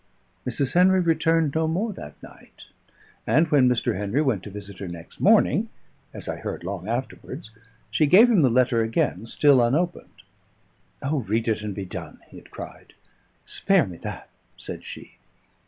Mrs. Henry returned no more that night; and when Mr. Henry went to visit her next morning, as I heard long afterwards, she gave him the letter again, still unopened. "O, read it and be done!" he had cried. "Spare me that," said she.